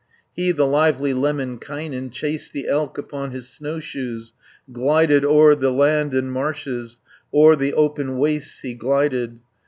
140 He, the lively Lemminkainen, Chased the elk upon his snowshoes, Glided o'er the land and marshes, O'er the open wastes he glided.